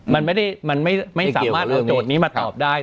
มันไม่สามารถเอาโจทย์นี้มาตอบได้